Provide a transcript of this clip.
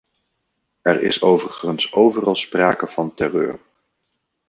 Er is overigens overal sprake van terreur.